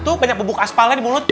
itu banyak bubuk aspalnya di mulut